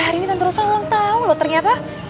hari ini tante rosa ulang tahun loh ternyata